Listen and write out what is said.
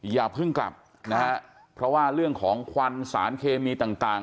อย่าเพิ่งกลับนะฮะเพราะว่าเรื่องของควันสารเคมีต่าง